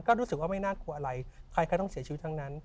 ก็รู้สึกว่าไม่น่ากลัวอะไรใครต้องเสียชีวิตทั้งนั้น